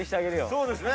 そうですね。